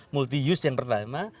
multi use yang pertama